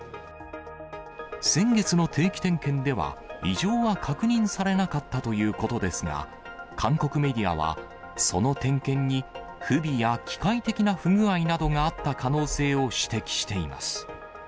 先月の定期点検では、異常は確認されなかったということですが、韓国メディアは、その点検に不備や、機械的な不具合などがあった可能性を指摘しています。